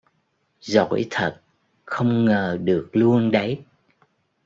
giởi thật, không ngờ được luôn đấy